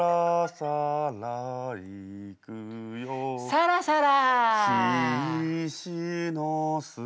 さらさら！